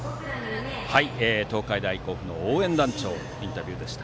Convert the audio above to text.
東海大甲府の応援団長のインタビューでした。